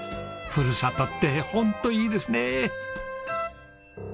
ふるさとってホントいいですねえ。